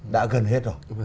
đã gần hết rồi